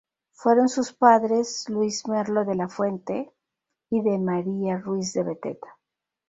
Fueron sus padres Luis Merlo de la Fuente y de María Ruíz de Beteta.